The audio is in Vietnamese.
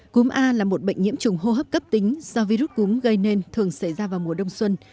cúm a là một bệnh nhiễm trùng hô hấp cấp tính do virus cúm gây nên thường xảy ra vào mùa đông xuân